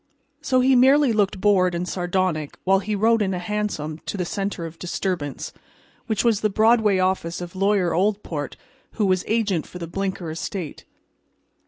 So he merely looked bored and sardonic while he rode in a hansom to the center of disturbance, which was the Broadway office of Lawyer Oldport, who was agent for the Blinker estate.